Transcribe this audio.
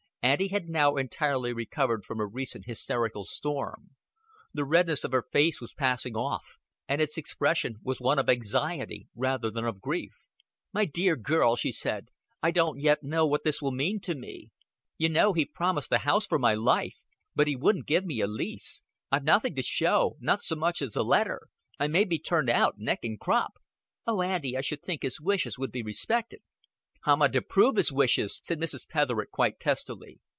Auntie had now entirely recovered from her recent hysterical storm; the redness of her face was passing off, and its expression was one of anxiety, rather than of grief. "My dear girl," she said, "I don't yet know what this will mean to me. You know, he promised the house for my life but he wouldn't give me a lease. I've nothing to show not so much as a letter. I may be turned out neck and crop." "Oh, Auntie, I should think his wishes would be respected." "How'm I to prove his wishes?" said Mrs. Petherick, quite testily.